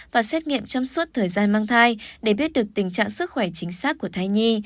và xét nghiệm trong suốt thời gian mang thai để biết được tình trạng sức khỏe chính xác của thai nhi